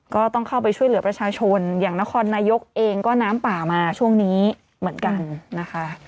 ก็ต้องเข้าไปช่วยเหลือประชาชนอย่างนครนายกเองก็น้ำป่ามาช่วงนี้เหมือนกันนะคะ